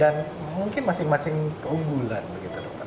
dan mungkin masing masing keunggulan begitu dok